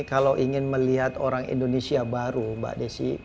kalau ingin melihat orang indonesia baru mbak desi